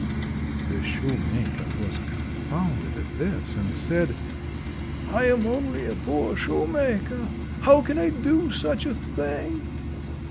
The shoemaker was confounded at this, and said— "I am only a poor shoemaker, how can I do such a thing?"